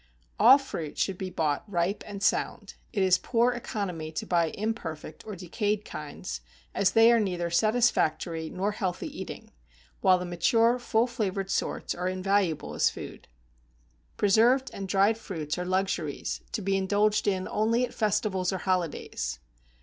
All fruit should be bought ripe and sound; it is poor economy to buy imperfect or decayed kinds, as they are neither satisfactory nor healthy eating; while the mature, full flavored sorts are invaluable as food. Preserved and dried fruits are luxuries to be indulged in only at festivals or holidays.